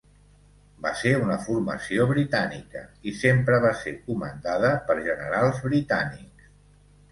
Va ser una formació britànica, i sempre va ser comandada per generals britànics.